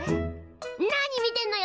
なに見てんのよ！